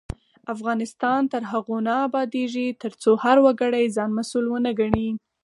افغانستان تر هغو نه ابادیږي، ترڅو هر وګړی ځان مسؤل ونه ګڼي.